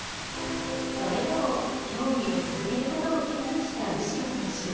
それでも競技を続けることを決意した右代選手。